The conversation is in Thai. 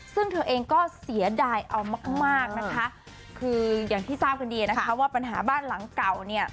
ซึ่งเธอเองก็เสียดายกับฮะคืออย่างที่ทราบกันดีนะคะว่าปัญหาบ้านหลังกล่าว